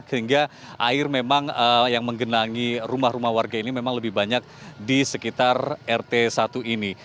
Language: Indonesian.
sehingga air memang yang menggenangi rumah rumah warga ini memang lebih banyak di sekitar rt satu ini